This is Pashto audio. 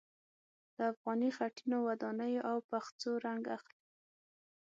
له افغاني خټينو ودانیو او پخڅو رنګ اخلي.